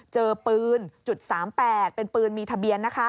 เจอปืน๓๘เป็นปืนมีทะเบียนนะคะ